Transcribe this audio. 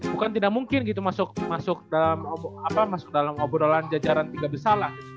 bukan tidak mungkin gitu masuk dalam obrolan jajaran tiga besar lah